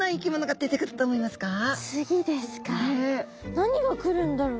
何が来るんだろう？